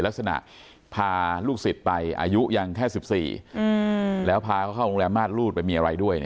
พาลูกศิษย์ไปอายุยังแค่๑๔แล้วพาเขาเข้าโรงแรมมาตรรูดไปมีอะไรด้วย